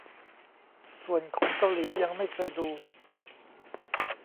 ส่วนของเกาหลียังไม่เคยดู